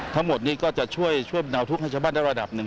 ทั้งหมดนี้ก็จะช่วยช่วยเดาทุกข์ให้ชาวบ้านได้ระดับหนึ่ง